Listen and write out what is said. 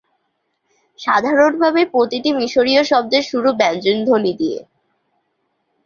সাধারণভাবে প্রতিটি মিশরীয় শব্দের শুরু ব্যঞ্জনধ্বনি দিয়ে।